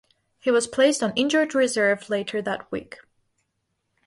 He was placed on injured reserve later that week.